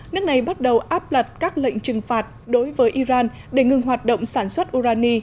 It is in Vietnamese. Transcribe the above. nước này bắt đầu áp đặt các lệnh trừng phạt đối với iran để ngừng hoạt động sản xuất urani